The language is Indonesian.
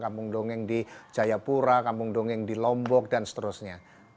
kampung dongeng di jayapura kampung dongeng di lombok dan seterusnya